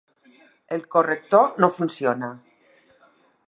El corrector no funciona.